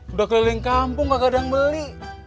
udah keliling kampung gak ada yang beli